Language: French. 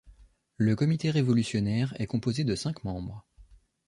Le Comité révolutionnaire est composé de cinq membres.